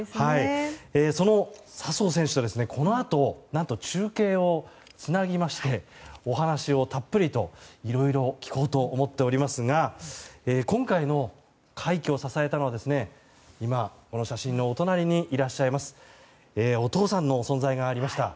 その笹生選手と、このあと何と中継をつなぎましてお話をたっぷりと、いろいろ聞こうと思っておりますが今回の快挙を支えたのは今、この写真のお隣にいらっしゃいますお父さんの存在がありました。